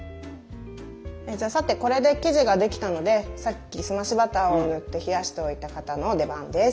さてこれで生地ができたのでさっき澄ましバターを塗って冷やしておいた型の出番です。